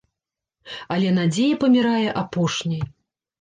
Але надзея памірае апошняй.